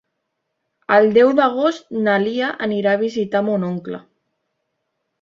El deu d'agost na Lia anirà a visitar mon oncle.